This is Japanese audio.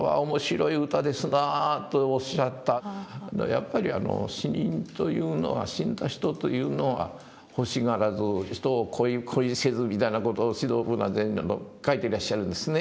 やっぱり死人というのは死んだ人というのは欲しがらず人を恋せずみたいな事を至道無難禅師も書いていらっしゃるんですね。